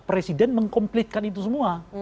presiden mengkomplitkan itu semua